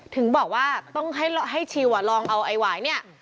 ถึงบอกว่าต้องให้ชิลลองเอาไอ้หวายเนี่ย